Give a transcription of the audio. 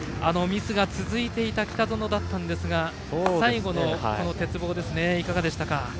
ミスが続いていた北園でしたが最後の鉄棒いかがでしたか？